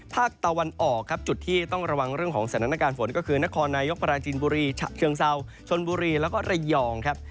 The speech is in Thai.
ภาคตะวันออกครับจุดที่ต้องระวังเรื่องของสถานการณ์ฝนก็คือนครนายกปราจินบุรีฉะเชิงเซาชนบุรีแล้วก็ระยองครับ